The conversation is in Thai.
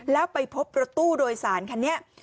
แล้วไปพบรถตู้โดยสารคันนี้